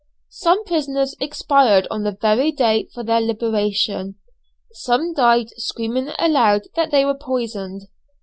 Some prisoners expired on the very day for their liberation. Some died screaming aloud that they were poisoned.